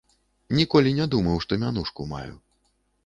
Ніколі не думаў, што мянушку маю.